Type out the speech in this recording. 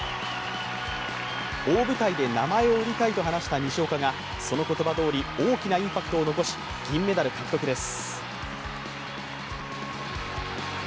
大舞台で名前を売りたいと話した西岡が、その言葉どおり大きなインパクトを残し、銀メダル獲得です。